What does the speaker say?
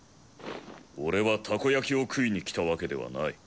俺はたこやきを食いに来たわけではない。